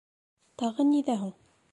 Тағы ниҙә һуң?